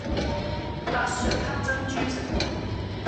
白雪黑珍珠食譜